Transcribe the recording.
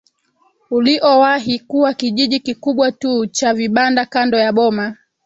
uliowahi kuwa kijiji kikubwa tu cha vibanda kando ya boma